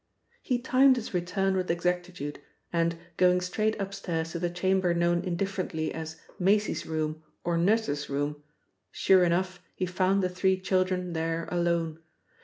He timed his return with exactitude, and, going straight up stairs to the chamber known indifferently as "Maisie's room" or "nurse's room," sure enough he found the three children there alone!